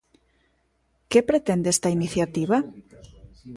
¿Que pretende esta iniciativa?